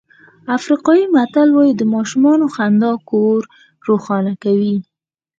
افریقایي متل وایي د ماشوم خندا کور روښانه کوي.